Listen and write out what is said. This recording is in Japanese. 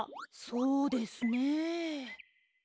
そうですね。